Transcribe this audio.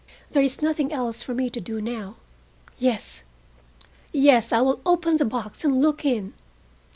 There is nothing else for me to do now. Yes, yes, I will open the box and look in!"